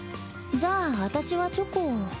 じゃあ私はチョコを。